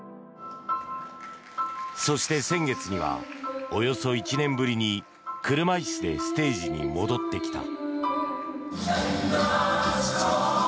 そして、先月にはおよそ１年ぶりに車椅子でステージに戻ってきた。